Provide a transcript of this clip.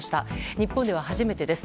日本では初めてです。